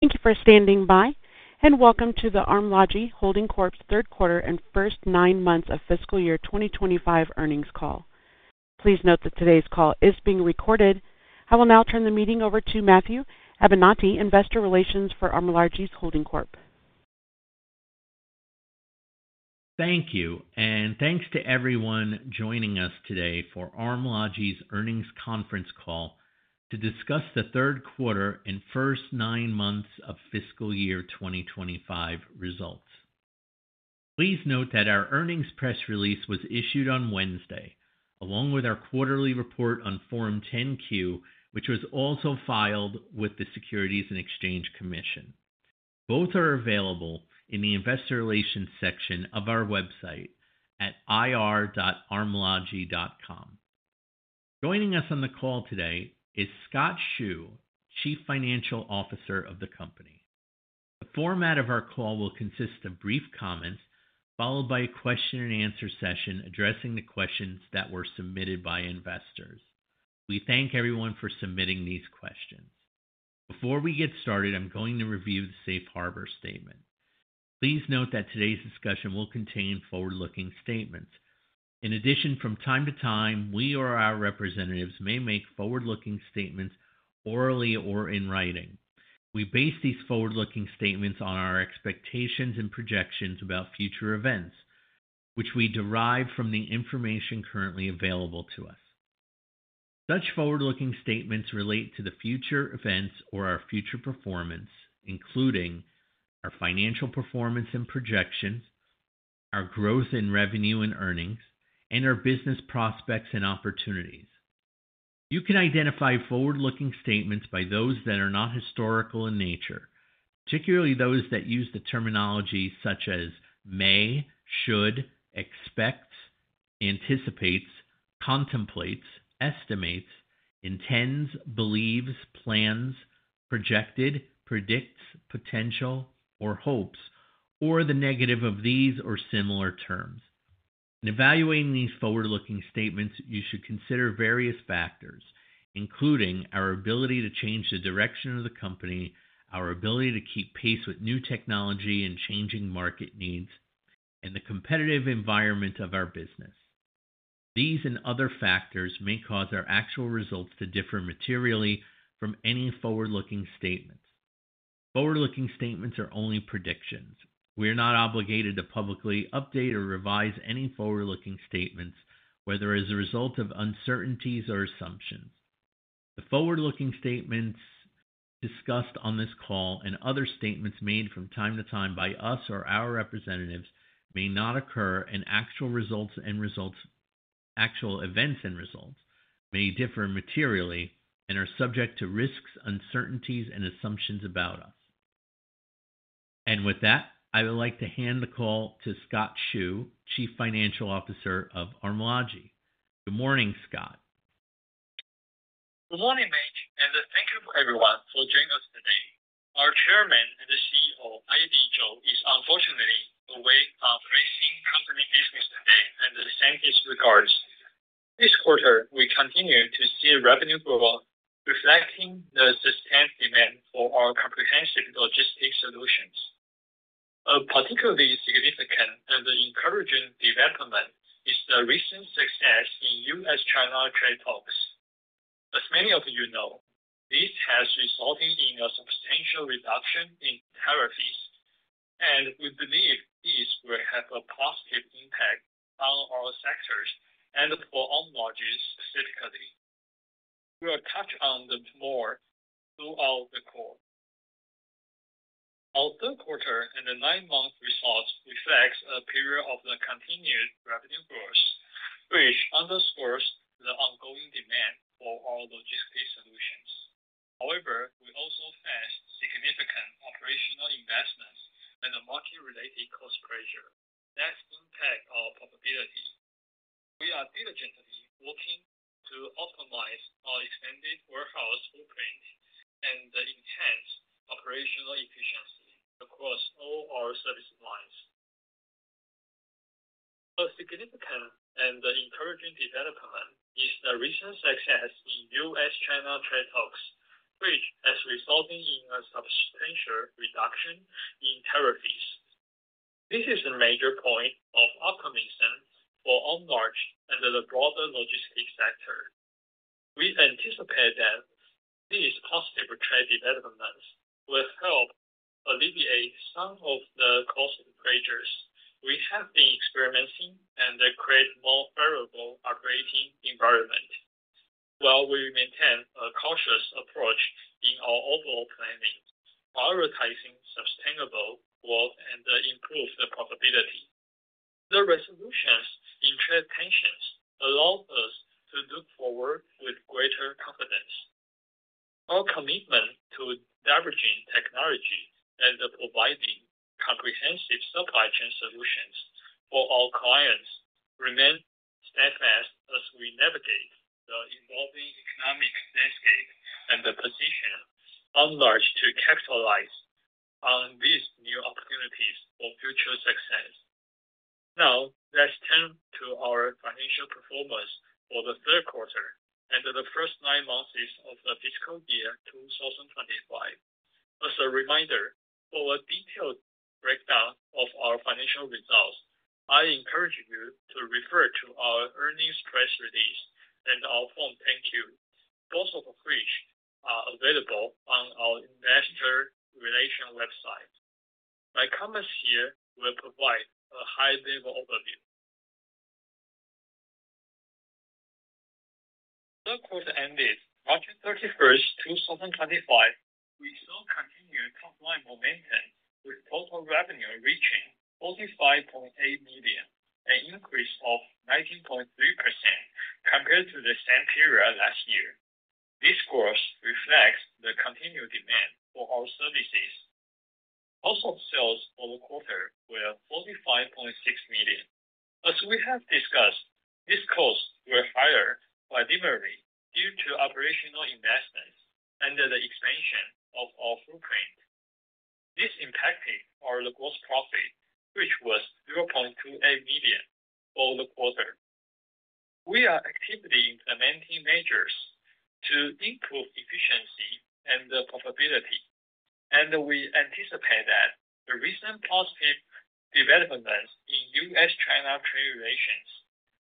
Thank you for standing by, and welcome to the Armlogi Holding Corp.'s Third Quarter and First Nine Months of Fiscal Year 2025 earnings call. Please note that today's call is being recorded. I will now turn the meeting over to Matthew Abenante, Investor Relations for Armlogi Holding Corp. Thank you, and thanks to everyone joining us today for Armlogi's earnings conference call to discuss the third quarter and first nine months of fiscal year 2025 results. Please note that our earnings press release was issued on Wednesday, along with our quarterly report on Form 10-Q, which was also filed with the Securities and Exchange Commission. Both are available in the Investor Relations section of our website at ir.armlogi.com. Joining us on the call today is Scott Hsu, Chief Financial Officer of the company. The format of our call will consist of brief comments, followed by a question-and-answer session addressing the questions that were submitted by investors. We thank everyone for submitting these questions. Before we get started, I'm going to review the safe harbor statement. Please note that today's discussion will contain forward-looking statements. In addition, from time to time, we or our representatives may make forward-looking statements orally or in writing. We base these forward-looking statements on our expectations and projections about future events, which we derive from the information currently available to us. Such forward-looking statements relate to the future events or our future performance, including our financial performance and projections, our growth in revenue and earnings, and our business prospects and opportunities. You can identify forward-looking statements by those that are not historical in nature, particularly those that use the terminology such as may, should, expects, anticipates, contemplates, estimates, intends, believes, plans, projected, predicts, potential, or hopes, or the negative of these or similar terms. In evaluating these forward-looking statements, you should consider various factors, including our ability to change the direction of the company, our ability to keep pace with new technology and changing market needs, and the competitive environment of our business. These and other factors may cause our actual results to differ materially from any forward-looking statements. Forward-looking statements are only predictions. We are not obligated to publicly update or revise any forward-looking statements whether as a result of uncertainties or assumptions. The forward-looking statements discussed on this call and other statements made from time to time by us or our representatives may not occur, and actual events and results may differ materially and are subject to risks, uncertainties, and assumptions about us. With that, I would like to hand the call to Scott Hsu, Chief Financial Officer of Armlogi. Good morning, Scott. Good morning, Matt, and thank you everyone for joining us today. Our Chairman and CEO, Aidy Chou is unfortunately away for [Armlogi] company business today and sent his regards. This quarter, we continue to see revenue growth, reflecting the sustained demand for our comprehensive logistics solutions. A particularly significant and an encouraging development is the recent success in U.S.-China trade talks. As many of you know, this has resulted in a substantial reduction in tariff fees, and we believe these will have a positive impact on all sectors, and for Armlogi specifically. We will touch on them more throughout the call. Our third quarter and the nine-month results reflect a period of continued revenue growth, which underscores the ongoing demand for our logistics solutions. However, we also faced significant operational investments, and a market-related cost pressure that impacted our profitability. We are diligently working to optimize our extended warehouse footprint, and enhance operational efficiency across all our service lines. A significant and encouraging development is the recent success in U.S.-China trade talks, which has resulted in a substantial reduction in tariff fees. This is a major point of optimism for Armlogi and the broader logistics sector. We anticipate that these positive trade developments will help alleviate some of the cost pressures we have been experiencing, and create a more favorable operating environment, while we maintain a cautious approach in our overall planning, prioritizing sustainable growth and improve the profitability. The resolutions in trade tensions allow us to look forward with greater confidence. Our commitment to leveraging technology and providing comprehensive supply chain solutions for our clients remains steadfast, as we navigate the evolving economic landscape and position of Armlogi to capitalize on these new opportunities for future success. Now, let's turn to our financial performance for the third quarter and the first nine months of the fiscal year 2025. As a reminder, for a detailed breakdown of our financial results, I encourage you to refer to our earnings press release and our Form 10Q, both of which are available on our investor relations website. My comments here will provide a high-level overview. The third quarter ended March 31st, 2025, we saw continued top-line momentum, with total revenue reaching $45.8 million, an increase of 19.3% compared to the same period last year. This growth reflects the continued demand for our services. Cost of sales for the quarter was $45.6 million. As we have discussed, these costs were higher primarily due to operational investments, and the expansion of our footprint. This impacted our gross profit, which was $0.28 million for the quarter. We are actively implementing measures to improve efficiency and profitability, and we anticipate that the recent positive developments in U.S.-China trade relations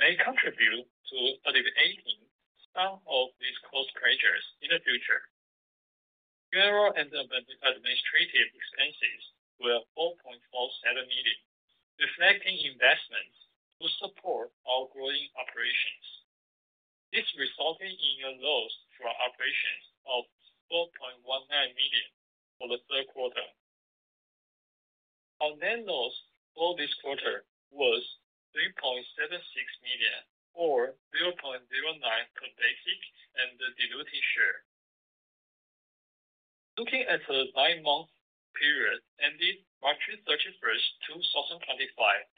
may contribute to alleviating some of these cost pressures in the future. General and administrative expenses were $4.47 million, reflecting investments to support our growing operations. This resulted in a loss for operations of $4.19 million for the third quarter. Our net loss for this quarter was $3.76 million, or $0.09 per basic and the diluted share. Looking at the nine-month period, ended March 31st, 2025,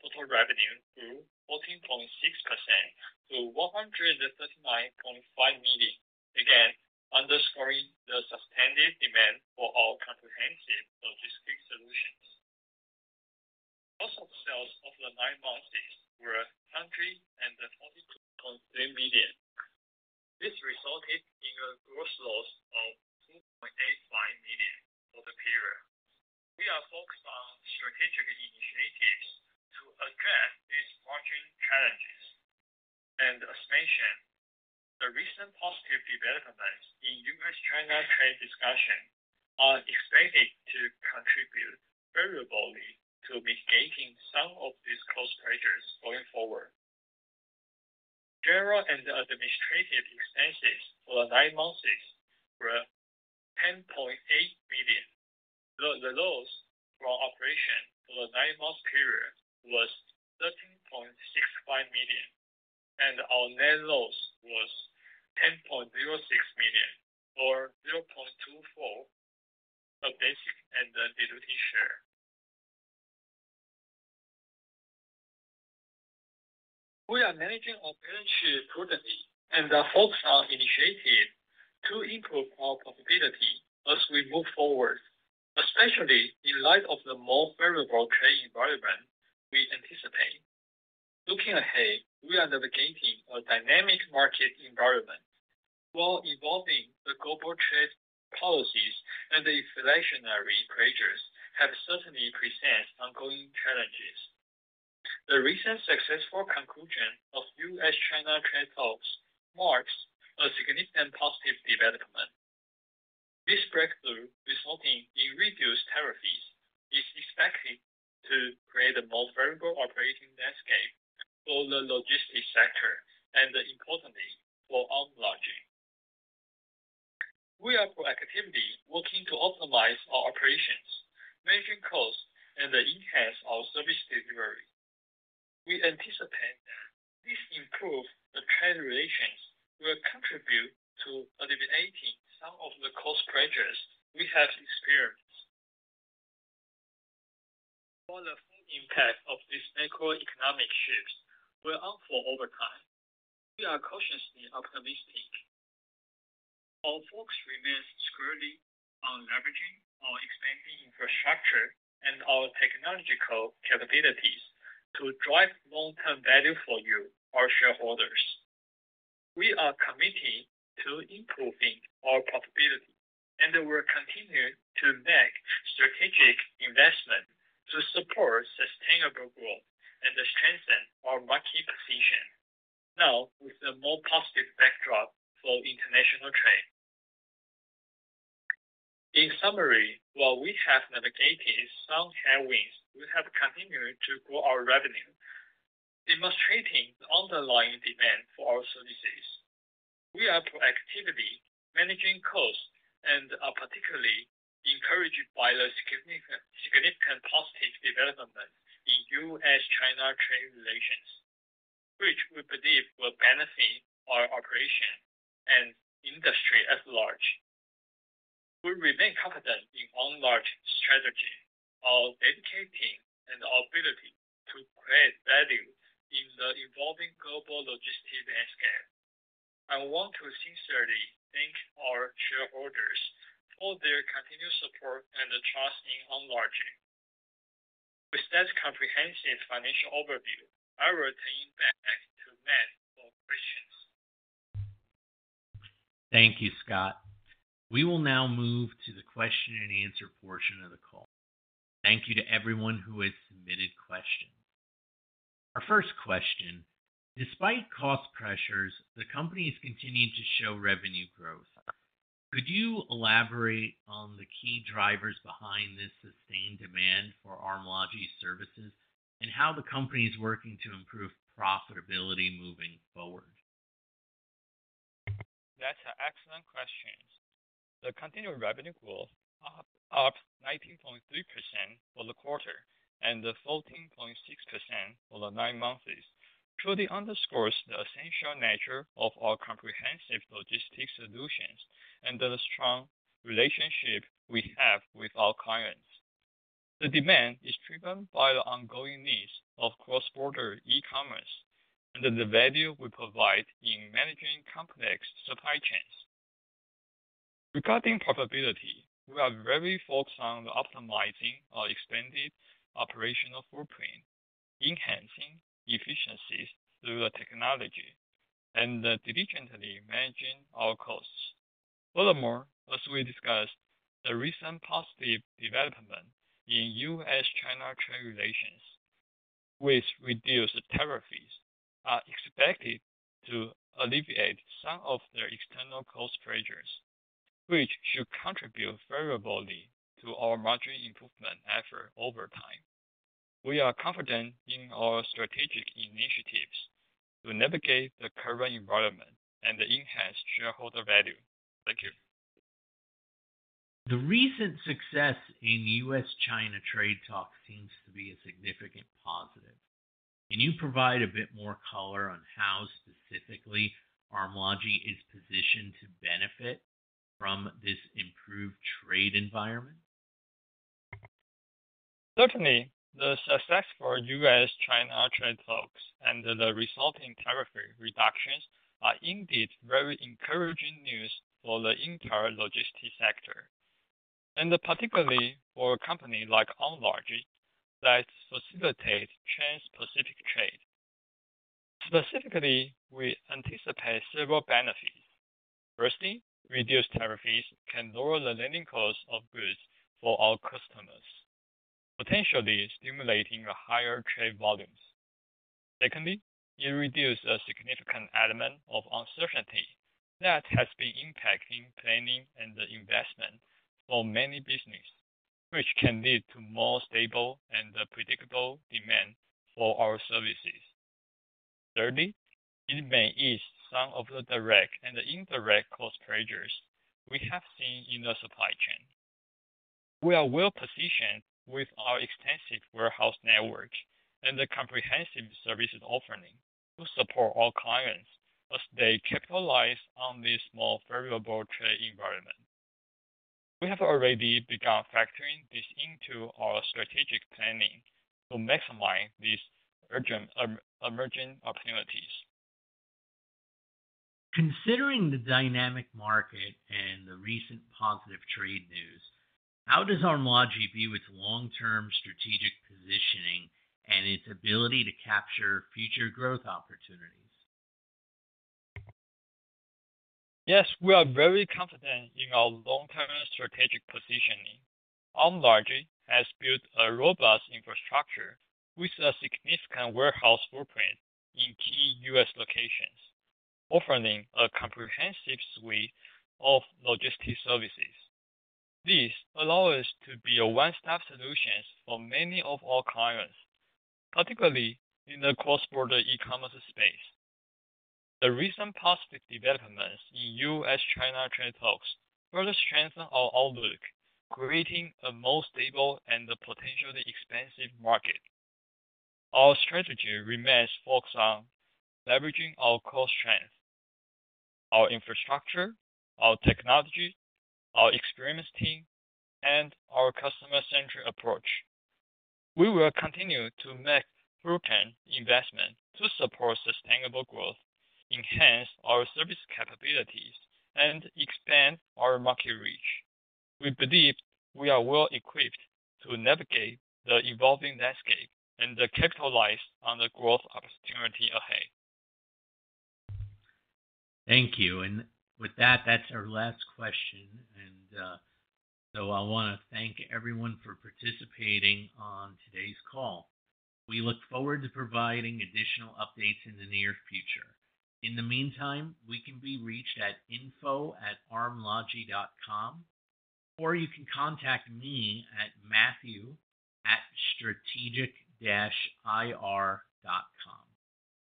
total revenue grew 14.6% to $139.5 million, again underscoring the sustained demand for our comprehensive logistics solutions. Cost of sales of the nine months were $142.3 million. This resulted in a gross loss of $2.85 million for the period. We are focused on strategic initiatives to address these margin challenges. As mentioned, the recent positive developments in U.S.-China trade discussions are expected to contribute favorably to mitigating some of these cost pressures going forward. General and administrative expenses for the nine months were $10.8 million. The loss from operations for the nine-month period was $13.65 million, and our net loss was $10.06 million, or $0.24 per basic and diluted share. We are managing operations prudently and focused on initiatives to improve our profitability as we move forward, especially in light of the more favorable trade environment we anticipate. Looking ahead, we are navigating a dynamic market environment, while evolving global trade policies and the inflationary pressures have certainly presented ongoing challenges. The recent successful conclusion of U.S.-China trade talks marks a significant positive development. This breakthrough, resulting in reduced tariff fees is expected to create a more favorable operating landscape for the logistics sector and importantly, for Armlogi. We are proactively working to optimize our operations, managing costs, and enhancing our service delivery. We anticipate that this improvement in trade relations will contribute to alleviating some of the cost pressures we have experienced. While the full impact of these macroeconomic shifts will unfold over time, we are cautiously optimistic. Our focus remains squarely on leveraging our expanding infrastructure, and our technological capabilities to drive long-term value for you, our shareholders. We are committed to improving our profitability, and we will continue to make strategic investments to support sustainable growth and strengthen our market position, now with a more positive backdrop for international trade. In summary, while we have navigated some headwinds, we have continued to grow our revenue, demonstrating the underlying demand for our services. We are proactively managing costs, and are particularly encouraged by the significant positive developments in U.S.-China trade relations, which we believe will benefit our operations and industry at large. We remain confident in Armlogi's strategy, our dedication and our ability to create value in the evolving global logistics landscape. I want to sincerely thank our shareholders for their continued support and trust in Armlogi. With that comprehensive financial overview, I will turn it back to Matt for questions. Thank you, Scott. We will now move to the question-and-answer portion of the call. Thank you to everyone who has submitted questions. Our first question, despite cost pressures, the company is continuing to show revenue growth. Could you elaborate on the key drivers behind this sustained demand for Armlogi services, and how the company is working to improve profitability moving forward? That's an excellent question. The continued revenue growth of 19.3% for the quarter and 14.6% for the nine months, truly underscores the essential nature of our comprehensive logistics solutions and the strong relationship we have with our clients. The demand is driven by the ongoing needs of cross-border e-commerce, and the value we provide in managing complex supply chains. Regarding profitability, we are very focused on optimizing our extended operational footprint, enhancing efficiencies through our technology and diligently managing our costs. Furthermore, as we discussed, the recent positive development in U.S.-China trade relations, with reduced tariff fees, is expected to alleviate some of their external cost pressures, which should contribute favorably to our margin improvement efforts over time. We are confident in our strategic initiatives to navigate the current environment and to enhance shareholder value. Thank you. The recent success in U.S.-China trade talks seems to be a significant positive. Can you provide a bit more color on how specifically Armlogi is positioned to benefit from this improved trade environment? Certainly, the success for U.S.-China trade talks and the resulting tariff reductions are indeed very encouraging news for the entire logistics sector, and particularly for a company like Armlogi that facilitates trans-Pacific trade. Specifically, we anticipate several benefits. Firstly, reduced tariff fees can lower the landing costs of goods for our customers, potentially stimulating higher trade volumes. Secondly, it reduces a significant element of uncertainty, that has been impacting planning and investment for many businesses, which can lead to more stable and predictable demand for our services. Thirdly, it may ease some of the direct and indirect cost pressures we have seen in the supply chain. We are well-positioned with our extensive warehouse network, and the comprehensive services offered to support our clients as they capitalize on this more favorable trade environment. We have already begun factoring this into our strategic planning to maximize these emerging opportunities. Considering the dynamic market and the recent positive trade news, how does Armlogi view its long-term strategic positioning and its ability to capture future growth opportunities? Yes, we are very confident in our long-term strategic positioning. Armlogi has built a robust infrastructure with a significant warehouse footprint in key U.S. locations, offering a comprehensive suite of logistics services. This allows us to be a one-stop solution for many of our clients, particularly in the cross-border e-commerce space. The recent positive developments in U.S.-China trade talks further strengthen our outlook, creating a more stable and potentially expansive market. Our strategy remains focused on leveraging our core strengths, our infrastructure, our technology, our experienced team, and our customer-centric approach. We will continue to make [through-cash] investments to support sustainable growth, enhance our service capabilities, and expand our market reach. We believe we are well-equipped to navigate the evolving landscape and capitalize on the growth opportunities ahead. Thank you. With that, that's our last question. I want to thank everyone for participating on today's call. We look forward to providing additional updates in the near future. In the meantime, we can be reached at info@armlogi.com, or you can contact me at matthew@strategic-ir.com.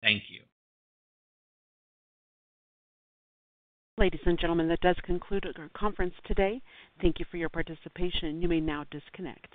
Thank you. Ladies and gentlemen, that does conclude our conference today. Thank you for your participation. You may now disconnect.